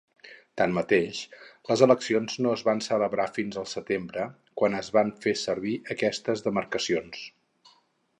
Tanmateix, les eleccions no es van celebrar fins al setembre, quan es van fer servir aquestes demarcacions.